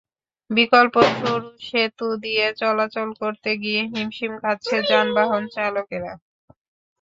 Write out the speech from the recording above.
বিকল্প সরু সেতু দিয়ে চলাচল করতে গিয়ে হিমশিম খাচ্ছে যানবাহন চালকেরা।